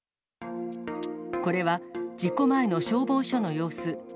これは事故前の消防署の様子。